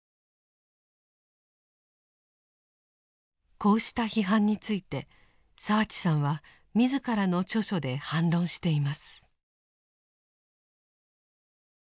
こうした批判について澤地さんは自らの著書で反論しています。